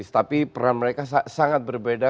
tapi peran mereka sangat berbeda